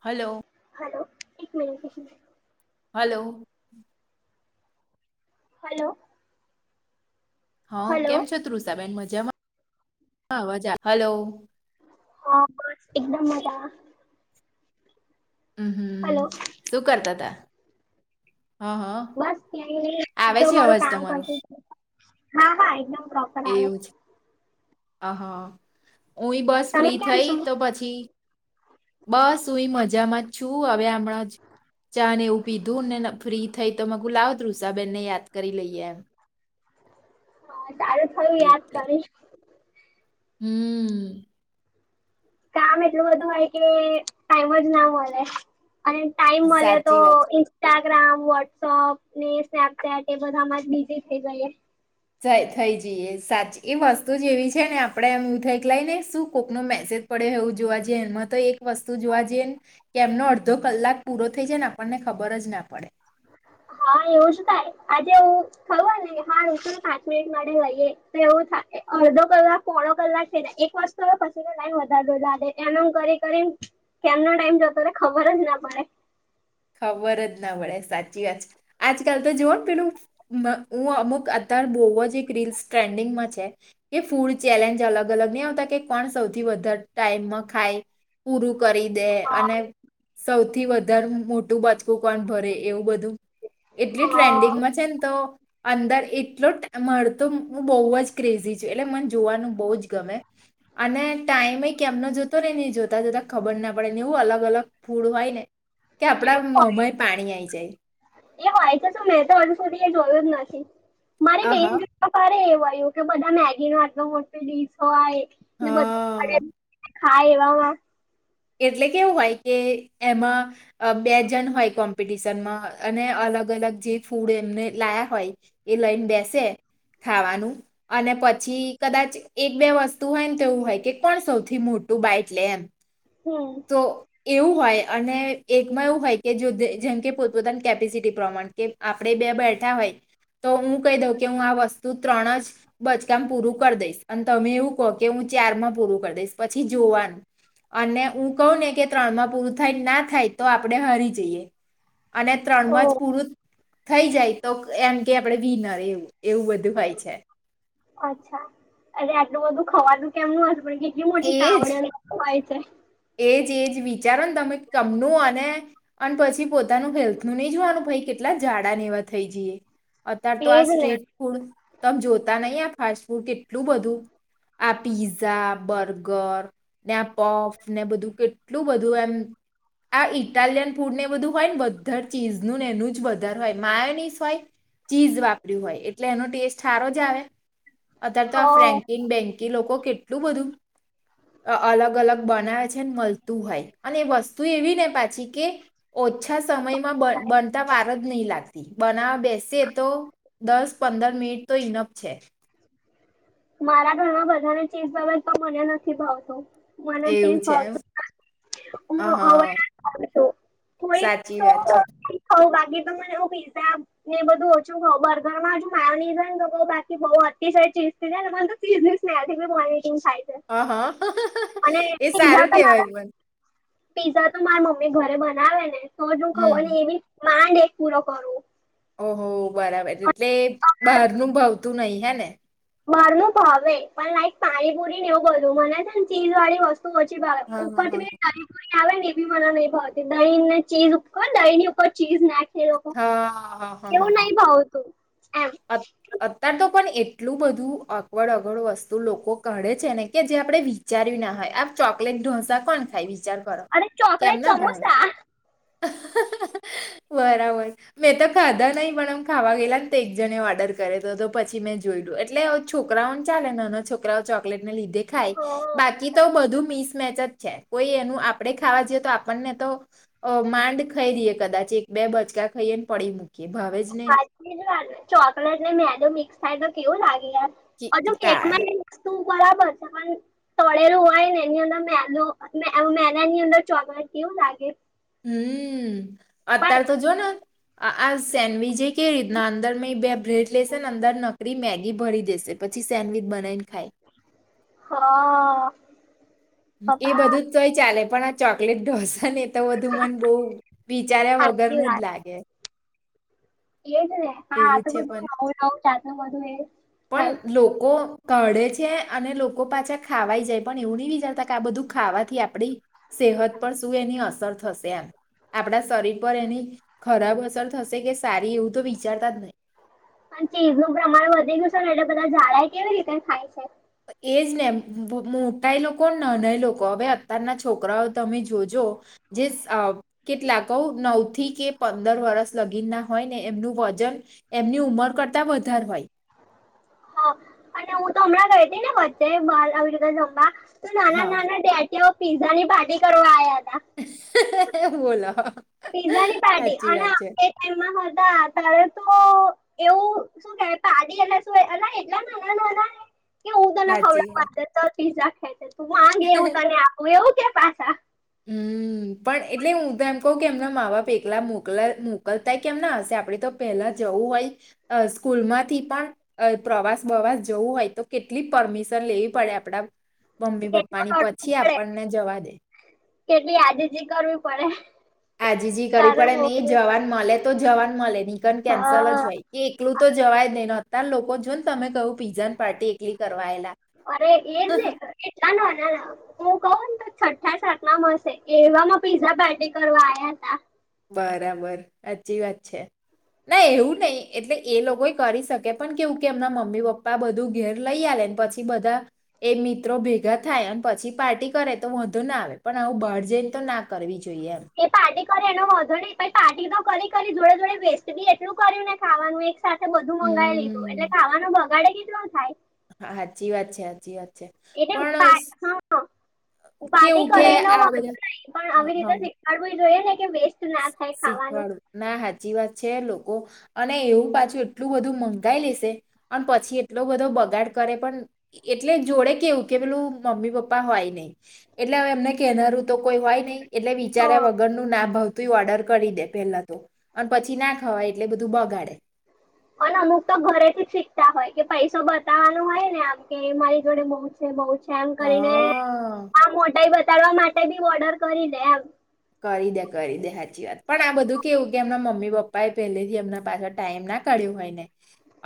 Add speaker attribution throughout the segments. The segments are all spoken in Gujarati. Speaker 1: હલો.
Speaker 2: હલો એક મિનટ.
Speaker 1: હલો.
Speaker 2: હલો.
Speaker 1: હા
Speaker 2: હલો
Speaker 1: કેમ છ તઋષાબેન મજામાં હલો.
Speaker 2: હા બસ એકદમ મજા
Speaker 1: હમ હમ
Speaker 2: હલો
Speaker 1: શું કરતા હતા
Speaker 2: બસ ત્યા
Speaker 1: આવે
Speaker 2: જો
Speaker 1: છે
Speaker 2: મારું
Speaker 1: અવાજ
Speaker 2: કામ
Speaker 1: તમારો
Speaker 2: કરતું હા હા એકદમપ
Speaker 1: એવું છે હહા હય બસ
Speaker 2: તમે
Speaker 1: ફ્રી
Speaker 2: કેમ
Speaker 1: થઈ
Speaker 2: છો
Speaker 1: તો પછી બસ હું મજામાં જ છું હવે હમણાં જ ચા ને એવું પીધું ને ફ્રી થઈ તો મગું લાવ ઋષાબેનને યાદ કરી લઈએ એમ
Speaker 2: હા તારું થયું યાદ
Speaker 1: એટલે
Speaker 2: કરીશ
Speaker 1: હમ
Speaker 2: કામ એટલું બધું હોય કે ટાઈમ જ ના મળે અને ટાઈમ મળે તો
Speaker 1: સાચી વાત
Speaker 2: ઇન્સ્ટાગ્રામ વોટ્સઅપ ને સ્નેપચેટ એ બધા અમાં જ બીઝી થઇ ગઈએ
Speaker 1: થઈ જઈએ સાચી એ વસ્તુ જેવી છે ને આપણેે એમું થઈ કે લઈ ને શું કોકનો મેસેજ પડે એવું જોવા જઈએમાં તો એક વસ્તુ જોવા જઈએ ને કે એમનો અડધો કલાક પૂરો થઈ જાય ને આપણને ખબર જ ના પડે
Speaker 2: હા એવું શ થાય આજે એવું થયું ને હા કુલ પાંચ મિનિટ માટે જઈએ તો એવું થાય અડધો કલાક પોણો કલાક છે એક વાસ્તુ પછીનો ટાઈમ વધારો લાદે એનો કરી કરી કેમનો ટાઈમ જોતોયને ખબર જ ના પડે
Speaker 1: ખબર જ ના પડે સાચી વાત આજકાલ તો જોવ પેલું હું અમુક અત્યાર બોવવા જ એક રીલ્સ ટ્રેન્ડિંગમાં છે કે ફૂડ ચેલેન્જ અલગ અલગ નહી આવતા કે કોણ સૌથી વધારે ટાઈમમાં ખાય પૂરું કરી દે
Speaker 2: હા
Speaker 1: અને સૌથી વધારે મોટ કો ભરે એવું બધું એટ
Speaker 2: હા
Speaker 1: ટન્ંગ છે ને તો અંદર એટલો મળતો હું બહુ જ ક્રેઝી છું એટલે મને જોવાનું બહુ જ ગમે અને ટાઈમ એ કે એમનો જોતો રહેે નને જોતા જોતા ખબર ના પડે ને એવું અલગ અલગ ફૂડ હોય ને કે આપડા મોમઈ પાણી આવીઈ જાય
Speaker 2: એ હોય છે શું? મેં તો હજુ સુધી એ જોયું જ નથી મારી બેન
Speaker 1: આહા
Speaker 2: આ ભારે એવું આયું કે બધા મેગીનો આટલો મોટી ડીશ હોય ને બધું
Speaker 1: હા
Speaker 2: [unintelligible] હા એવા એવા
Speaker 1: એટલે કેવું હોય કે એમાં અ બે જન હોય કોમ્પિટિશનમાં અને અલગ-અલગ જે ફૂડ એમને લાયા હોય એ લઈન બેસે ખાવાનું અને પછી કદાચ એક બે વસ્તુ હોય ને તો એવું હોય કે કોણ સૌથી મોટું બાયટ લે એમ.
Speaker 2: હમ્મ.
Speaker 1: તો એવું હોય અને એકમાં એવું હોય કે જો જેમ કે પોતપોતાની કેપેસિટી પ્રમાણ કે આપણે બે બેઠાં હોય તો હું કહી દઉં કે હું આ વસ્તુ ત્રણ જ બચકામ પૂરું કર દઈશ અને તમે એવું કો કે હું ચાર મમાં પૂરું કર દઈશ પછી જોવાનું અને ઉ કહું ને કે ત્રણમાં પૂરું થાય, ના થાય તો આપડે હારી જઈએ. અને ત્રણમાં
Speaker 2: ઓ
Speaker 1: જ પૂરું થઈ જાય તો એમ કે આપડે વિનર એવું એવું બધું હોય છે.
Speaker 2: અચ્છા, અરે આટલું બધું ખવાનું કેમનું હશે પણ કેટલી મોટી
Speaker 1: એજ
Speaker 2: તાવડીઓને એવું બધું હોય છે.
Speaker 1: એજ એજ વિચારો ને તમે કમનું અને અન પછી પોતાનું હેલ્થનુ નહીં જોવાનું ભઈ કેટલા જાડાને એવાં થઈ જઈએ. અત્યાર તો આ
Speaker 2: એજ ને
Speaker 1: સ્ટ્રીટ ફૂડ તમે જોતા નહીં આ ફાસ્ટ ફૂડ કેટલું બધું આ પિઝા, બર્ગર ને આ પફ. ને બધું કેટલું બધું એમ. આ ઈટાલિયન ફૂડને એ બધું હોય ને વધારે ચીઝનું ને એનું જ વધારે હોય માયોનીસ હોય. ચીઝ વાપર્યું હોય એટલે એનો ટેસ્ટ હારો જ આવે. અત્યાર
Speaker 2: હ
Speaker 1: તો આ ફ્રેન્કી બેન્કી લોકો કેટલું બધું અ અલગ-અલગ બનાવે છે ને મલતું હોય અને એ વસ્તુ એવીને પાછી કે ઓછા સમયમાં બ બનતાં વાર જ નહીં લાગતી બનાવા બેસીએ તો દસ પંદર મિનિટ તો ઈનફ છે.
Speaker 2: મારા ઘરમાં બધાને ચીજ ભાવે છે પણ મને નથી ભાવતું, મને ચીજ
Speaker 1: એવું છે એમ
Speaker 2: ભાવતું
Speaker 1: હ
Speaker 2: હું અવ [unintelligible]
Speaker 1: હા
Speaker 2: છું થોડીક
Speaker 1: સાચી
Speaker 2: તો
Speaker 1: વાત છે
Speaker 2: ખવ બાકી તો મને હું પીઝા ને એ બધું ઓછું ખઉ બર્ગરમાં શું માયોનિસ હોયન તો તો બાકી બઉ અતિશય ચીઝ થઈ જાય ને તો મન તો ચીઝની સ્મેલથી બી વોમિટિંગ થાય. છે
Speaker 1: હ હ
Speaker 2: અને
Speaker 1: એ
Speaker 2: પીઝા
Speaker 1: સારું
Speaker 2: તો
Speaker 1: કેવાય
Speaker 2: મારા
Speaker 1: પણ.
Speaker 2: પીઝા તો માર મમ્મી ઘરે બનાવે ને તોજ હું ખઉ અને
Speaker 1: હમ
Speaker 2: એ બી માંડ એક પૂરો કરું.
Speaker 1: ઓહો બરાબર એટલે બહારનું ભાવતું નહિં હે ને?
Speaker 2: બારનું ભાવે પણ લાઈક પાણીપુરીને એવું બધું મને ચીઝવાળી વસ્તુ તુ ઓછી ભાવે
Speaker 1: હા હા
Speaker 2: ઉપરથી
Speaker 1: હા
Speaker 2: પેલી તરી રી આવે ને એ બી મને નહીં ભાવતી દહીં ને ચીઝ ઉપર દહીં ની ઉપર ચીઝ નાખી
Speaker 1: હ હ હ હ.
Speaker 2: ભાવતું. એમ.
Speaker 1: અ અત્યાર તો પણ એટલું બધું અગવડ અગવડ વસ્તુ લોકો કાઢે છે ને કે જે આપણે વિ ચાર્યું ના હોય આમ ચોકલેટ ઢોસા કોણ ખાય? વિચાર કરો
Speaker 2: અને ચોકલેટ
Speaker 1: કેમના ભાવે?
Speaker 2: સમોસા
Speaker 1: બરાબર, મેં તો ખાધા નહીં પણ અમ ખાવા ગેલા ન તો એક જને ઓર્ડર કરેલો તો પછી મેં જોયલું એટલે છોકરાઓન ચાલે નાના છોકરાઓ ચોકલેટને લીધે ખાય. બાકી તો બધું મિસમેચ જ છે કોઈ એનું આપણે ખાવા જઈએ તો આપણને તો અ માંડ ખઈ રીએ કદાચ એક બે બચકાં ખઈએને પડી મૂકીએ ભાવે જ નઈ.
Speaker 2: ચોકલેટને મેદો મિક્સ થાય તો કેવું લાગે યાર? અજુ
Speaker 1: કી- તા
Speaker 2: કેકમાંય તું બરાબર છે પણ તળેરું હોય ને એની અંદર મેદ મેદ ની અંદર ચોમાણ કેવું લાગે
Speaker 1: હમ
Speaker 2: પણ
Speaker 1: અત્ય્યારે તો જોને આ આ સેન્ડવીચ છે કેવી રીતના અંદર મે બે બ્રેડ લેશે ને અંદર નકરી મેગી ભરી દેશે પછી સેન્ડવીચ બનાવીને ખાય
Speaker 2: હા
Speaker 1: એ
Speaker 2: પપ્પા
Speaker 1: બધું જ તોય ચાલે પણ આ ચોકલેટ ઢોસા ને તો બધું મન બહ વિચાર્યા વગર ન
Speaker 2: સાચી
Speaker 1: જ લાગે
Speaker 2: એ જ ને હા આ
Speaker 1: એવું છે
Speaker 2: બધું
Speaker 1: પણ
Speaker 2: આવું રાું છેત મધું એ
Speaker 1: પણ
Speaker 2: કાય
Speaker 1: લોકો કળે છે અને લોકો પાછા ખાવાઈ જાય પણ એવું નહી વિચારતા કે આ બધું ખાવાથી આપડી સેહત પર શું એની અસર થશે એમ આપણા શરીર પર એની ખરાબ અસર થશે કે સારી એવું તો વિચારતા જ નહીિ
Speaker 2: પણ ચીઝ નું પ્રમાણ વધી ગયું છે ને એટલે બધા ડા કેવી રીતે ખાય છે
Speaker 1: એજ નેમ મોટાય લોકો નાનાય લોકો હવે અતારના છોકરાઓ તમે જોજો જ કેટલાક નવ થી કે પંદર વરષ લગીન ના હોય ને એમનું વજન એમની ઉમર કરતા વધારે હોય
Speaker 2: અને હું તો હમણાં ગઈ હતી ને વચ્ચે અરિક જવા તો નાના
Speaker 1: હા
Speaker 2: નાના ડેટીઓ પીઝા ની ભાટી કરવા આવયા હતા
Speaker 1: બોલો
Speaker 2: પીઝાની પાર્ટી
Speaker 1: સાચી
Speaker 2: અને
Speaker 1: વાત છે
Speaker 2: ટમમાં હતા તારે તો એવું શું કે પાડી એ શું અ એટલા મહના કે હું તને
Speaker 1: સાચી વાત
Speaker 2: ખવડાવ ત પીઝા ખાય તું આગે એવું તને આપું એવું કે પાછા
Speaker 1: હમ પણ એટલે હું તો એમ કહું કે એમના મા બાપ એકલા મોકલ મોકલતા કેમ ના હશે આપડે તો પેલા જવું હોય સ્કૂલ માંથી પણ અ પ્રવાસ બવાસ જવું હોય તો કેટલી પરમિશન લેવી પડે આપડા મમ્મી પપ્પા ની
Speaker 2: પેટમાં તડપું
Speaker 1: પછી
Speaker 2: પડે
Speaker 1: આપણને જવા દે
Speaker 2: કેટલી યાદીજી કરવી પડે
Speaker 1: આજીજી કરવી
Speaker 2: તારે
Speaker 1: પડે નહ
Speaker 2: મોકલવી પડે
Speaker 1: જવાન મળે તો જવાન મળે નનીકન કેન્સલ જ
Speaker 2: હા
Speaker 1: હોય કે એકલું તો જવાય જ નઈને અતાર લોકો જોન તમે કહું પીઝાન પાર્ટી એકલી કરવાયેલા
Speaker 2: એ ધાલવા ના ના હું કહું ને તો છઠ્ઠા સાટના મળ હશે એવામાં પીઝા પાર્ટી કરવા આવયા હતા
Speaker 1: બરાબર સાચી વાત છે ના એવું નહીિ એટલે એ લોકો કરી શકે પણ કેવું કે એમના મમ્મી પપ્પા બધું ઘેર લઈ આલે પછી બધા એ મિત્રો ભેગા થાય એમ પછી પાર્ટી કરે તો વધુ ના આવે પણ આવું બહાર જઈને તો ના કરવી જોઈએ એમ
Speaker 2: એ પાર્ટી કરે એનો વધો નહી પણ પાર્ટી તો કરી કરી જોડે જોડે વેસ્ટ બી એટલું કર્યું ને ખાવાનું એક સાથે બધું મંગાવી લીધું એટલે
Speaker 1: હમ
Speaker 2: ખાવાનો બગાડે કેટલો થાય
Speaker 1: હા હાજી વા છે હાજી વા છે
Speaker 2: એટલે
Speaker 1: પણ
Speaker 2: હ હું પાર્ટી
Speaker 1: કેવું કે
Speaker 2: કરેલો
Speaker 1: આ
Speaker 2: વાંધો
Speaker 1: બધા
Speaker 2: નહી પણ આવી રીતે બ ધરે થ કે વસ્ટ
Speaker 1: શીખવાળું ના સાચી વાત છે લોકો અને એવું પાછું એટલું બધું મંગાઈ લેશે પણ પછી એટલો બધો બગાડ કરે પણ એટલે જોડે કેવું કે પેલું મમ્મી પપ્પા હોય નહ એટલે એમને કેહેનારું તો કોઈ હોય નહિ એટલે વિચાર
Speaker 2: તો
Speaker 1: વગરનુંું ના ભાવ તું ઓર્ડર કરી દે પેલા તો અને પછી ના ખાવાય એટલે બધું બગાડે
Speaker 2: અને અમુક તો ઘરેથી શીખતા હોય કે પૈસો બતાવવાનો હોય ને આમ કે મારી જોડે બહુ બહ છે એમ કરીને
Speaker 1: હા
Speaker 2: આ મોટાઈ બતાડવા માટે બી ઓર્ડર કરી દે એમ
Speaker 1: કરી દે કરી દે સાચી વાત પણ આ બધું કેવું કે એમના મમ્મી પપ્પા એ પહેલેથી એમના પાછળ ટાઈમ નાખ કાઢ્યું હોય ને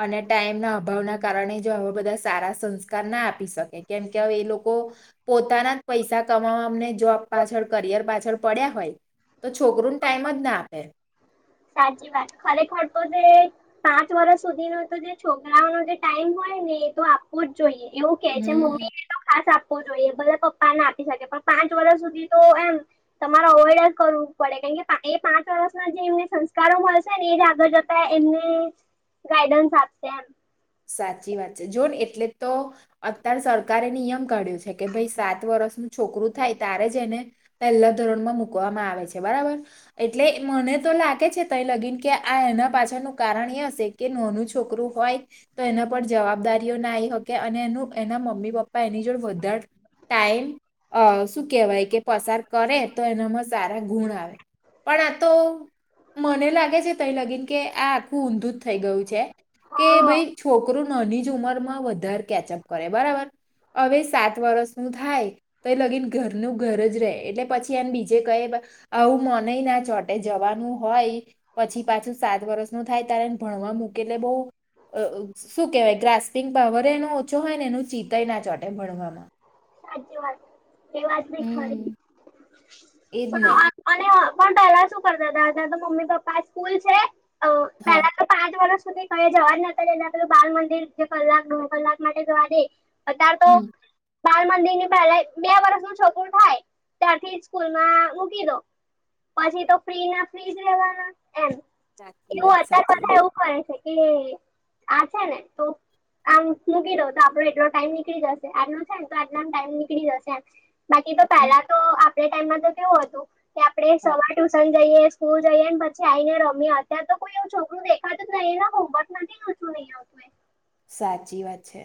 Speaker 1: અને ટાઈમ ના અભાવના કારણે જો હવે બધા સારા સંસ્કાર ના આપી શકે કેમ કે હવે એ લોકો પોતાના જ પૈસા કમાવા અમને જોબ પાછળ કરિયર પાછળ પડ્યા હોય તો છોકુંને ટાઈમ જ ના આપે
Speaker 2: સાચી વાત ખરેખર તો તે પાંચ વર્ષ સુધીનો તો જે છોકરાઓનોો જે ટાઈમ હોય ને એ તો વું જ જોઈએ એવું કે છે
Speaker 1: હમ
Speaker 2: મમ્મી તો ખાસ આપવો જોઈએ બ પપ્પા ને આપી શકે પણ પાંચ વર્ષ સુધી તો એમ તમારે અવોઈડ જ કરવું પડે કારણ કે એ પાંચ વર્ષ ના જે એમને સંસ્કારો મળશે ને એ જ આગળ જતા એમને ગાઈડન્સ આપશે એમ
Speaker 1: સાચી વાત છે જોન એટલે તો અત્યારે સરકારે નિયમ કાઢ્યો છે કે ભાઈ સાત વર્ષનું છોકરું થાય ત્યારે જ એને પહેલા ધોરણમાં મુકવામાં આવે છે બરાબર એટલે મને તો લાગે છે ત લગીન કે આ એના પાછળનું કારણ એ હશે કે નાનું છોકરું હોય તો એના પર જવાબદારીઓ ના આવી શકે અને એનું એના મમ્મી પપ્પા એની જોડ વધારે ટાઈમ અ શું કહેવાય કે પસાર કરે તો એનામાં સારા ગુણ આવે પણ આ તો મને લાગે છે તઈ લગીન કે આ આખું ઊંધું જ થઈ ગયું છે કે
Speaker 2: હા
Speaker 1: ભાઈ છોકરો નાની જ ઉંમર માં વધારે કેચઅપ કરે બરાબર હવે સાત વર્સ નું થાય તો એ લગીન ઘરનું ઘર જ રેહ એટલે પછી એને બીજે કહે બ આવું મનેય ના ચોટે જવાનું હોય પછી પાછું સાત વરષ નો થાય તારે એને ભણવા મૂકેલે બહુ એ અ શું કેહવાય ગ્રાસસ્પિંગ પાવર એનો ઓછો હોય ને એનું ચિતય ના ચોટે ભણવામાં.
Speaker 2: હાચી વાત એ વાત બી ખરી
Speaker 1: એજ ને
Speaker 2: પણ અને પણ પહેલા શું કરતા તા ત્યાં તો મમ્મી પપ્પા સ્કૂલ છે અ
Speaker 1: હા
Speaker 2: પેલા તો પાંચ વર્ષ સુધી કઈ જવા જ ન દેય અને પેલું બાલ મંદિર જે કલાક દોઢ કલાક માટે જવા દે અતાર
Speaker 1: હમમ.
Speaker 2: બાળમંદિર ની પહેલા બે વર્ષ નું છોકરું થાય ત્યારથી સ્કૂલ માં મૂકી દો પછી તો ફ્રી ના ફ્રી જ રેવાના એમ.
Speaker 1: સાચી વાત, સાચી વાત.
Speaker 2: શું કરે છે કે આ છે ને તો આમ મૂકી દઉં તો આપડો એટલો ટાઈમ નીકળી જશે આનો તો આટલા માં ટાઈમ નીકળી જશે બાકી તો
Speaker 1: હમ
Speaker 2: પહેલા તો આપડે ટાઈમમાં તો કેવું હતું તે આપડે
Speaker 1: હા
Speaker 2: સવાટું [unintelligible] જઈએ સ્કૂલ જઈએ ને પછી આઈને રમીએ અત્યારે તો કોઈ એવું છોકરું દેખાતું જ નહી ને હોમવર્ક નથી કરતું [inaudible]
Speaker 1: સાચી વાત છે.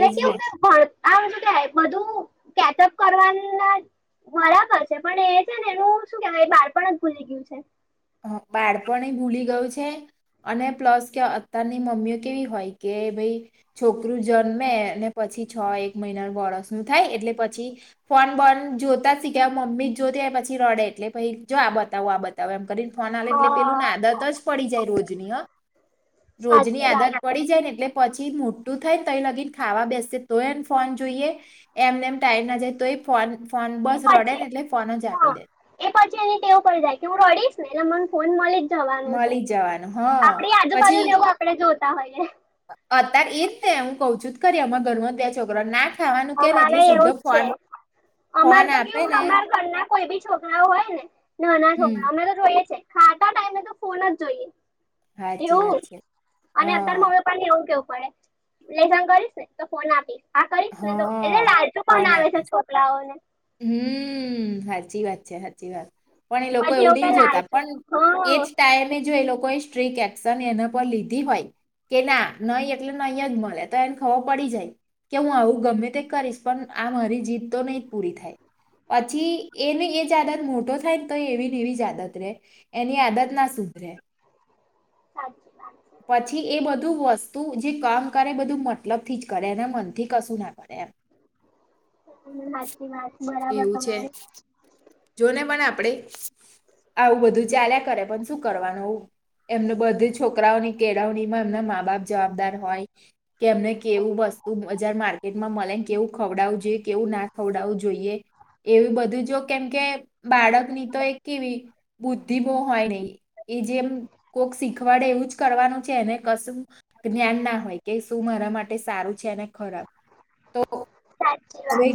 Speaker 1: એ જ ને.
Speaker 2: કેવું કે ભણ આમ શું કેવાય બધું કેચઅપ કરવાના જ બરાબર છે પણ એ છે ને એનું શું કેહવાય બાળપણ જ ભૂલી ગયું છે.
Speaker 1: હા બાળપણએ ભૂલી ગયું છે. અને પ્લસ કે અત્યારની મમ્મીઓ કેવી હોય કે ભાઈ છોકરું જન્મે અને પછી છ એક મહિના વર્સ નું થાય એટલે પછી ફોન બંધ જોતા જ શીખ્યા મમ્મી જોતી પછી રડે એટલે પહિ જો આ બતાવું આ બતાવું એમ કરીન ફોન આલે એટલે પેલુંને
Speaker 2: હા
Speaker 1: આદત જ પડી જાય રોજની હા રોજની
Speaker 2: સાચી વાત
Speaker 1: આદત
Speaker 2: છે.
Speaker 1: પડી જાય ને એટલે પછી મોટું થાય ત્ય લગીન ખાવા બેસે તોય એને ફોન જોઈએ એમને એમ ટાઇમ ના જાય તો એ ફોન ફોન બસ
Speaker 2: એ
Speaker 1: રડે
Speaker 2: પછી
Speaker 1: ને એટલે ફોન જ
Speaker 2: હા
Speaker 1: આપી દે.
Speaker 2: એ પછી એને ટેવ પડી જાય કે હું રડીશ ને મને ફોન મલી જ જવાનું છે.
Speaker 1: મળી જવાનું હા
Speaker 2: આપડી
Speaker 1: પછી
Speaker 2: આજુબાજુ જેવું આપણે જોતા હોયએ
Speaker 1: અત્યારે એ જ હું કઉ છું તો ખરી અમારા ઘરમાં બે છોકરા ના ખાવાનું કે ને એટલે
Speaker 2: એમારેય
Speaker 1: સીધો
Speaker 2: એવું જ છે.
Speaker 1: ફોન
Speaker 2: અમારે
Speaker 1: ફોન
Speaker 2: તો
Speaker 1: આપે
Speaker 2: કેવું
Speaker 1: ને
Speaker 2: અમારા ઘરના કોઈ બી છોકરા હોય ને નાના
Speaker 1: હમ
Speaker 2: છોકરા અમે તો જોઈએ છે ખાતા ટાઈમે તો ફોન જ જોઈએ
Speaker 1: સાચી વાત
Speaker 2: એવું
Speaker 1: છે
Speaker 2: અને
Speaker 1: હા
Speaker 2: અત્યારે હવે ને એવું કેવું પડે લેસન કરીશ તો ફોન આપીશ આ કરી ને તો એટલે
Speaker 1: હા
Speaker 2: લાલતુ બનાવે છે છોકરાઓ ને.
Speaker 1: હમ્મ, હાચી વાત છે હાચી વાત. પણ એ લોકો
Speaker 2: પછી
Speaker 1: એવું
Speaker 2: કે
Speaker 1: ની જોતા
Speaker 2: લાલચુ
Speaker 1: પણ એજ
Speaker 2: હા
Speaker 1: ટાઈમે જો એ લોકો સ્ટ્રીક એક્શન એના પર લીધી હોય કે ના નહી એટલે નહી જ મળે તો એને ખબર પડી જાય કે હું આવું ગમે તે કરીશ પણ આ મારી જીદ તો નય પૂરી થાય. પછી એને એ આદત મોટો થાય ને તો એવીને એવી આદત રહેે, એની આદત ના સુધરે,
Speaker 2: સાચી વાત [inaudible]
Speaker 1: પછી એ બધું વસ્તુ જે કામ કરે બધું મતલબ થી જ કરે એને મનથી કશું ના કરે. [inaudible]
Speaker 2: હા, સાચી વાત બરાબર
Speaker 1: એવું છે
Speaker 2: તમારી
Speaker 1: જોને પણ આપણે આવું બધું ચાલ્યા કરે, પણ શું કરવાનું હો. એમને બધે જ છોકરાઓની કેળવણીમાં એમના મા બાપ જવાબદાર હોય. કે એમને કેવું વસ્તુ બજાર માર્કેટમાં મળે કેવું ખવડાવું જોઈએ કેવું ના ખવડાવું જોઈએ એવી બધું જો કેમ કે બાળકની તો એક કેવી બુદ્ધિ બો હોય એ જેમ કોક શીખવાડે એવું જ કરવાનું છે એને કશું જ્ઞાન ના હોય કે શું મારા માટે સારું છેને બરાબર તો
Speaker 2: સાચી
Speaker 1: હવે
Speaker 2: વાત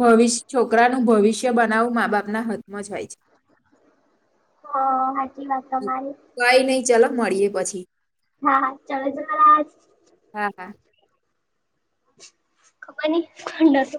Speaker 1: ભવિષ્ય છોકરાનું ભવિષ્ય કે બનાવું મા બાપના હાથમાં જ હોય છે
Speaker 2: હ સાચી વાત તમારી
Speaker 1: કઈ નઈ ચાલ મળીએે પછી
Speaker 2: હા હા ચાલ છે બરા આજ
Speaker 1: હા હા
Speaker 2: ખબર ની ખંડ